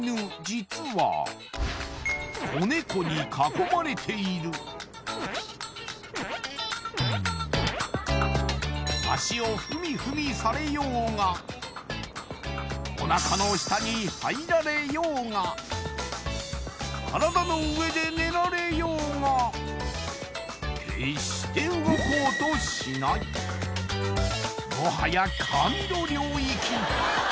実は子ネコに囲まれている脚をフミフミされようがおなかの下に入られようが体の上で寝られようが決して動こうとしないもはや神の領域